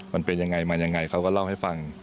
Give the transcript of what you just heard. มันเป็นยังไงมายังไงเขาก็เล่าให้ฟัง